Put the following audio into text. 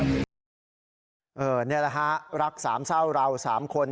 นี่แหละฮะรักสามเศร้าเรา๓คน